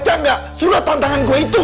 baca gak surat tantangan gue itu